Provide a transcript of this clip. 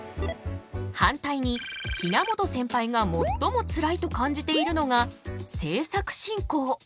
反対に比奈本センパイがもっともつらいと感じているのが制作進行。